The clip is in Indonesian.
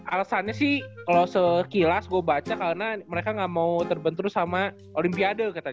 alasannya sih kalau sekilas gue baca karena mereka gak mau terbentur sama olimpiade katanya